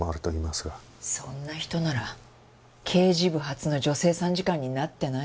そんな人なら刑事部初の女性参事官になってない。